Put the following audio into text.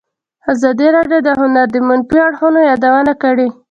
ازادي راډیو د هنر د منفي اړخونو یادونه کړې.